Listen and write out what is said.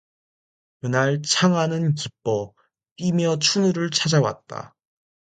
그날 창하는 기뻐 뛰며 춘우를 찾아왔다.